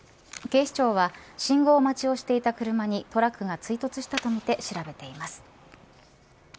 警視庁は信号待ちをしていた車にトラックが追突したとみて調べています。